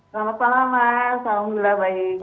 selamat malam mas alhamdulillah baik